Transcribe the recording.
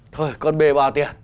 thôi con bê bao tiền